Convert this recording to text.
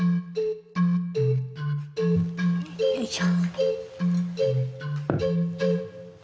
よいしょ。